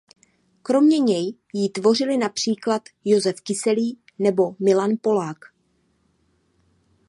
Kromě něj jí tvořili například Jozef Kyselý nebo Milan Polák.